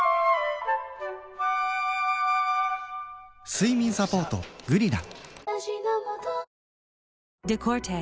睡眠サポート「グリナ」